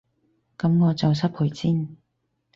噉我就失陪先